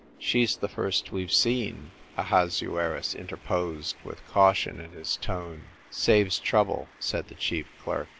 "She's the first we've seen," Ahasuerus interposed, with caution in liis tone. "Saves trouble," said the chief clerk.